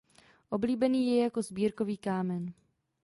Oblíbený je jako sbírkový kámen.